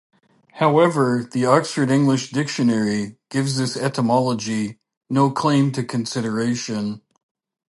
However, the "Oxford English Dictionary" gives this etymology "no claim to consideration".